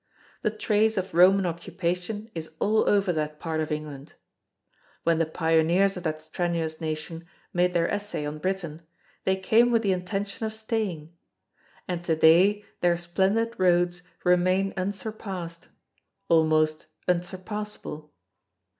The trace of Roman occupation is all over that part of England. When the pioneers of that strenuous nation made their essay on Britain they came with the intention of staying; and to day their splendid roads remain unsurpassed almost unsurpassable.